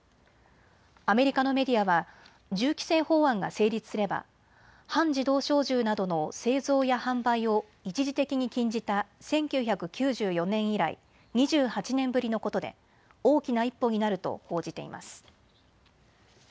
アメリカのメディアは銃規制法案が成立すれば半自動小銃などの製造や販売を一時的に禁じた１９９４年以来、２８年ぶりのことで大きな一歩になると報じています。